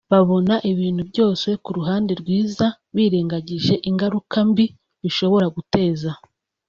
babona ibintu byose ku ruhande rwiza birengagije ingaruka mbi bishobora guteza